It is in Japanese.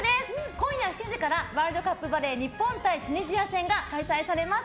今夜７時からワールドカップバレー日本対チュニジア戦が開催されます。